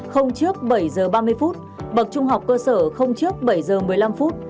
không trước bảy h ba mươi bậc trung học cơ sở không trước bảy h một mươi năm